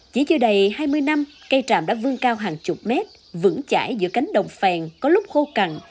chỉ chưa đầy hai mươi năm cây tràm đã vương cao hàng chục mét vững chải giữa cánh đồng phèn có lúc khô cằn